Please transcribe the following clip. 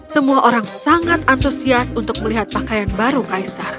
semua orang sangat antusias untuk melihat pakaian baru kaisar